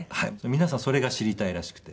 皆さんそれが知りたいらしくて。